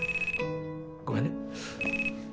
ごめんね。